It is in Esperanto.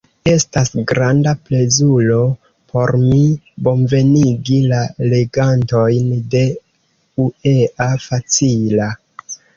Estas granda plezuro por mi, bonvenigi la legantojn de uea.facila!